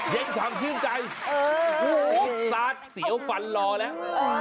เย็นชอบชื่นใจซาดเสียวฟันลอแล้ว